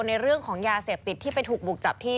ในเรื่องของยาเสพติดที่ไปถูกบุกจับที่